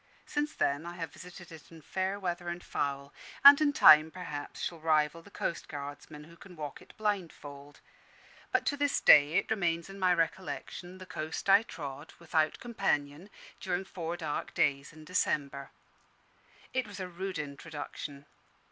Since then I have visited it in fair weather and foul; and in time, perhaps, shall rival the coastguardsmen, who can walk it blindfold. But to this day it remains in my recollection the coast I trod, without companion, during four dark days in December. It was a rude introduction.